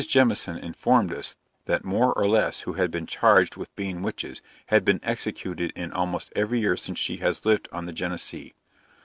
Jemison informed us that more or less who had been charged with being witches, had been executed in almost every year since she has lived on the Genesee.